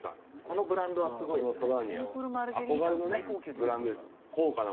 このブランドはすごいですね。